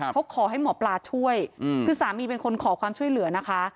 เขาขอให้หมอปลาช่วยคือสามีเป็นคนขอความช่วยเหลือนะคะ